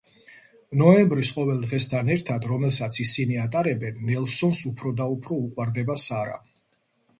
ნოემბრის ყოველ დღესთან ერთად, რომელსაც ისინი ატარებენ, ნელსონს უფროდაუფრო უყვარდება სარა.